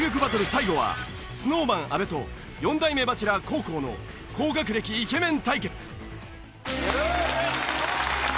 最後はＳｎｏｗＭａｎ阿部と４代目バチェラー黄皓の高学歴イケメン対決。